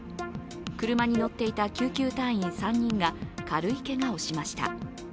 車に乗っていた救急隊員３人が軽いけがをしました。